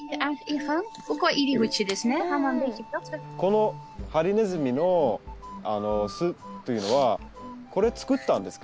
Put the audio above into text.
このハリネズミの巣っていうのはこれ作ったんですか？